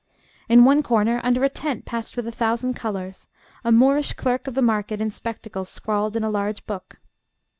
In one corner, under a tent patched with a thousand colours, a Moorish clerk of the market in spectacles scrawled in a large book.